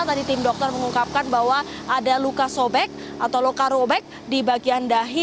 tadi tim dokter mengungkapkan bahwa ada luka sobek atau luka robek di bagian dahi